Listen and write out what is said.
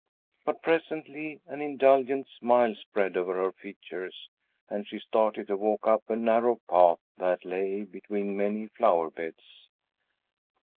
But presently an indulgent smile spread over her features, and she started to walk up a narrow path that lay between many flower beds.